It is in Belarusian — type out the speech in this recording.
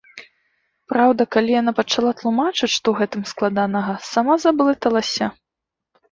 Праўда, калі яна пачала тлумачыць, што ў гэтым складанага, сама заблыталася.